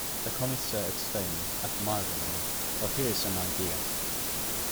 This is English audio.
The Commissaire exclaimed, admiringly, "But here is an idea!"